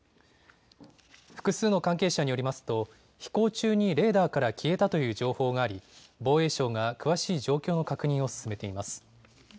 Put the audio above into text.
複数の関係者によりますと飛行中にレーダーから消えたという情報があり、防衛省が詳しい状況の確認を進めています。